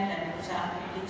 dan bursa alkidik